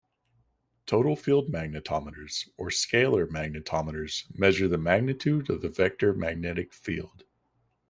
"Total field magnetometers" or "scalar magnetometers" measure the magnitude of the vector magnetic field.